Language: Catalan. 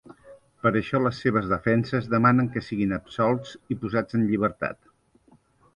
Per això, les seves defenses demanen que siguin absolts i posats en llibertat.